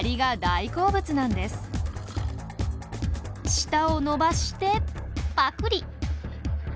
舌を伸ばしてパクリ！